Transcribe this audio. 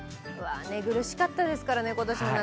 寝苦しかったですからね、今年の夏